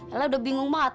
ella udah bingung banget